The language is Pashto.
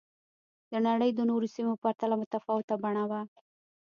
د نړۍ د نورو سیمو په پرتله متفاوته بڼه وه